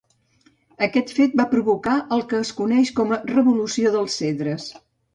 Aquest fet va provocar el que es coneix com la Revolució dels Cedres.